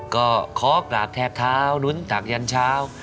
ก็คอกหลากแทบเทานุนตากยันเช้า